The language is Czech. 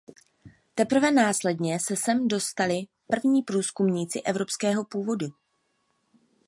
Teprve následně se sem dostali první průzkumníci evropského původu.